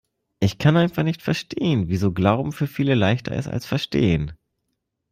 Ich kann einfach nicht verstehen, wieso Glauben für viele leichter ist als Verstehen.